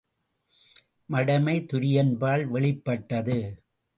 மடமை துரியன்பால் வெளிப்பட்டது.